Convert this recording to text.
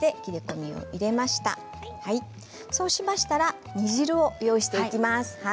そうしましたら煮汁を用意していきます。